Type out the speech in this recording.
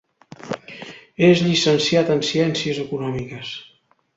És llicenciat en ciències econòmiques.